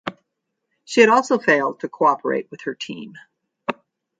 She had also failed to cooperate with her team.